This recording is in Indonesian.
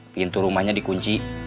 pintu rumahnya dikunci